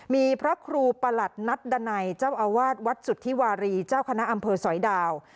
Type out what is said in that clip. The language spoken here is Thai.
มีพระครูประหลัดนัดดันัยเจ้าอาวาสวัดสุธิวารีเจ้าคณะอำเภอสอยดาว